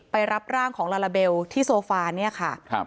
ไปรับร่างของลาลาเบลที่โซฟาล็อบ